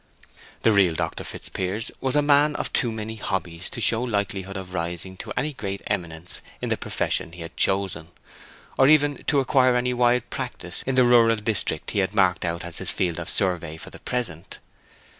The real Dr. Fitzpiers was a man of too many hobbies to show likelihood of rising to any great eminence in the profession he had chosen, or even to acquire any wide practice in the rural district he had marked out as his field of survey for the present.